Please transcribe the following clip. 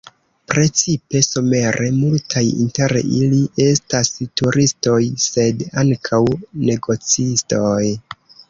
Precipe somere multaj inter ili estas turistoj, sed ankaŭ negocistoj.